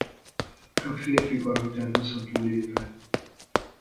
Csak férfi karakter hozható létre.